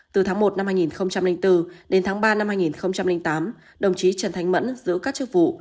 từ tháng một năm hai nghìn bốn đến tháng ba năm hai nghìn tám đồng chí trần thanh mẫn giữ các chức vụ